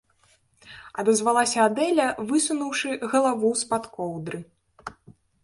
- адазвалася Адэля, высунуўшы галаву з-пад коўдры.